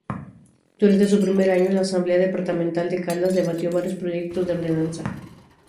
Durante su primer año, la Asamblea Departamental de Caldas debatió varios Proyectos de Ordenanza.